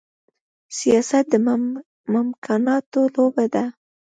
سياست د ممکناتو لوبه ده.